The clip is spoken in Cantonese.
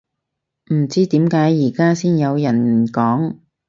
唔知點解而家先有人講